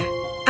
oh papan catur